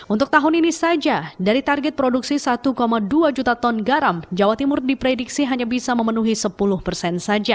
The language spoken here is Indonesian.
untuk tahun ini saja dari target produksi satu dua juta ton garam jawa timur diprediksi hanya bisa memenuhi sepuluh persen saja